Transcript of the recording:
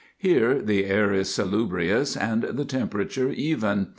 Here the air is salubrious and the temperature even.